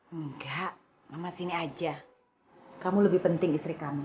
enggak mama sini aja kamu lebih penting istri kami